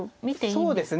そうですね。